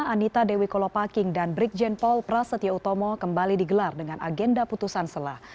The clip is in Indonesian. anita dewi kolopaking dan brigjen paul prasetya utomo kembali digelar dengan agenda putusan selah